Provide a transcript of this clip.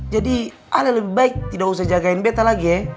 jadi ada yang lebih baik tidak usah jagain beta lagi